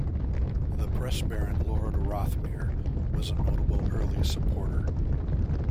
The press baron Lord Rothermere was a notable early supporter.